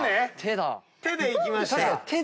「テ」でいきました。